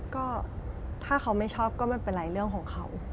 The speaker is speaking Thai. ก็ถ้าเขาไม่ชอบก็ไม่เป็นไรเรื่องของเขา